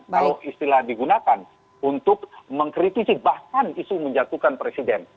kalau istilah digunakan untuk mengkritisi bahkan isu menjatuhkan presiden